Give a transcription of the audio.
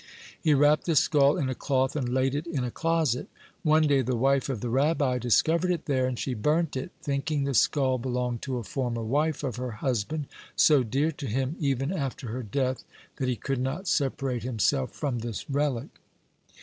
He wrapped the skull in a cloth, and laid it in a closet. One day the wife of the Rabbi discovered it there, and she burnt it, thinking the skull belonged to a former wife of her husband, so dear to him even after her death that he could not separate himself from this relic.